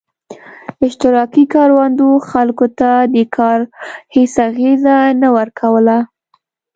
اشتراکي کروندو خلکو ته د کار هېڅ انګېزه نه ورکوله